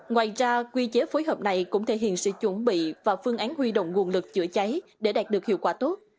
ngoài ra quy chế phối hợp này cũng thể hiện sự chuẩn bị và phương án huy động nguồn lực chữa cháy để đạt được hiệu quả tốt